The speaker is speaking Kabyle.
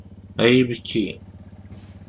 Ay ibekki!